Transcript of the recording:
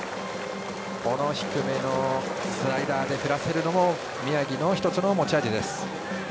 低めのスライダーで振らせるのも宮城の１つの持ち味です。